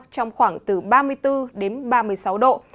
trong khoảng từ ba mươi bốn đến ba mươi sáu độ